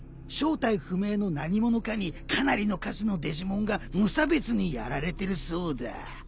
正体不明の何者かにかなりの数のデジモンが無差別にやられてるそうだ。